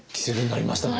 なりました。